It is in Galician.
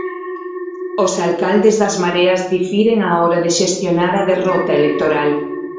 Os alcaldes das Mareas difiren á hora de xestionar a derrota electoral.